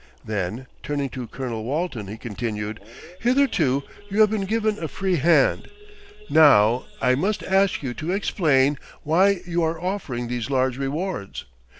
Then turning to Colonel Walton he continued: "Hitherto you have been given a free hand, now I must ask you to explain why you are offering these large rewards.